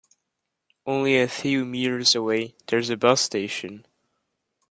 Only a few meters away there is a bus station.